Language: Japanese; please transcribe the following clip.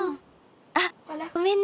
あっごめんね。